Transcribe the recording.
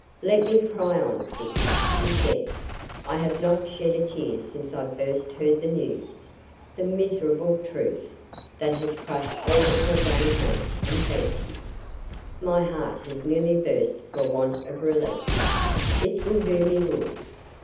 'Let me cry on, Dick,' she said; 'I have not shed a tear since I first heard the news the miserable truth that has crushed all our vain hopes and fancies; my heart has nearly burst for want of relief. This will do me good.